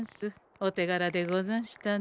おてがらでござんしたね。